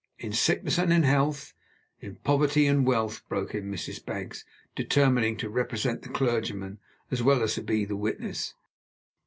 "In sickness and in health, in poverty and wealth," broke in Mrs. Baggs, determining to represent the clergyman as well as to be the witness.